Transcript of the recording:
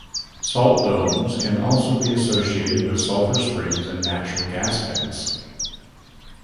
Salt domes can also be associated with sulfur springs and natural gas vents.